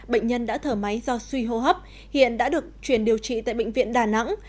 bệnh nhân đã thở máy do suy hô hấp hiện đã được chuyển điều trị tại bệnh viện đà nẵng